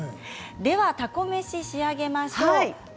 では、たこ飯を仕上げましょう。